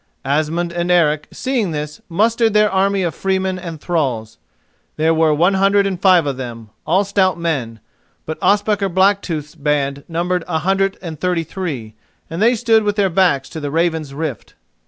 Asmund and Eric, seeing this, mustered their army of freemen and thralls. There were one hundred and five of them, all stout men; but Ospakar Blacktooth's band numbered a hundred and thirty three, and they stood with their backs to the Raven's Rift.